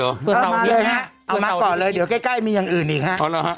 เอ้อมาเลยฮะเอามาต่อเลยเดี๋ยวใกล้มีอย่างอื่นอีกฮะเอาแล้วฮะ